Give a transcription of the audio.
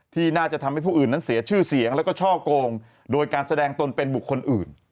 ที่น่าจะทำให้ผู้อื่นนั้นเสียชื่อเสียงแล้วก็ช่อกงโดยการแสดงตนเป็นบุคคลอื่น